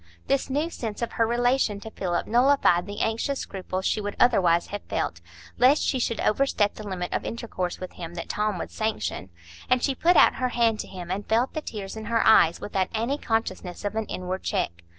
This new sense of her relation to Philip nullified the anxious scruples she would otherwise have felt, lest she should overstep the limit of intercourse with him that Tom would sanction; and she put out her hand to him, and felt the tears in her eyes without any consciousness of an inward check.